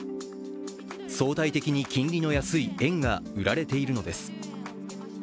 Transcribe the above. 相対的に金利の安い円が売られているのです。